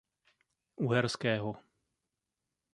Uherského.